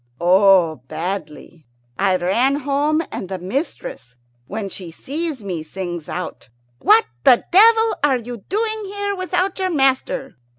"Oh, badly. I ran home, and the mistress, when she sees me, sings out, 'What the devil are you doing here without your master?